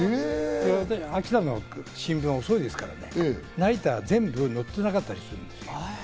秋田の新聞は遅いですから、ナイターが全部載ってなかったりするんですよ。